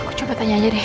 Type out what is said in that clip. aku coba tanya aja deh